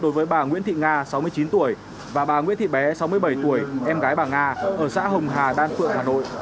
đối với bà nguyễn thị nga sáu mươi chín tuổi và bà nguyễn thị bé sáu mươi bảy tuổi em gái bà nga ở xã hồng hà đan phượng hà nội